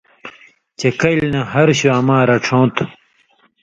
چےۡ کلیۡ نہ ہر شُو اَماں رڇھؤں تُھو۔